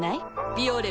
「ビオレ」